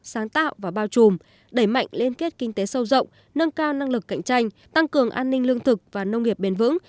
sáng tạo và bao trùm đẩy mạnh liên kết kinh tế sâu rộng nâng cao năng lực cạnh tranh tăng cường an ninh lương thực và nông nghiệp bền vững